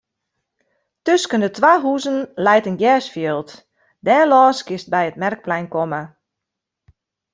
Tusken de twa huzen leit in gersfjild; dêrlâns kinst by it merkplein komme.